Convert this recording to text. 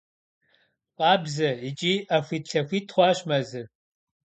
Къабзэ икӏи ӏэхуит-лъэхуит хъуащ мэзыр.